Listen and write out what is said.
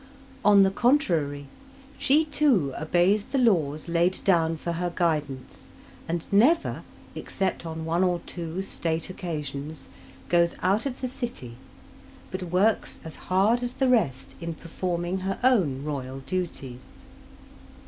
On the contrary, she too obeys the laws laid down for her guidance, and never, except on one or two state occasions, goes out of the city, but works as hard as the rest in performing her own royal duties.